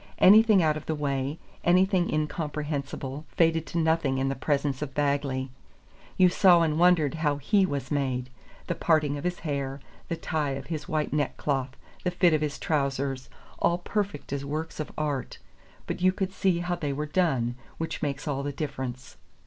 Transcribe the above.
Anything out of the way, anything incomprehensible, faded to nothing in the presence of Bagley. You saw and wondered how he was made: the parting of his hair, the tie of his white neckcloth, the fit of his trousers, all perfect as works of art; but you could see how they were done, which makes all the difference.